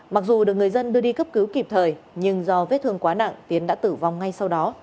mặc dù được người dân đưa đi cấp cứu kịp thời nhưng do vết thương quá nặng tiến đã tử vong ngay sau đó